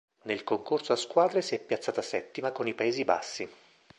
Nel concorso a squadre si è piazzata settima con i Paesi Bassi.